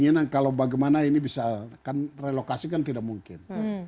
keinginan kalau bagaimana ini bisa kan relokasi kan tidak mungkin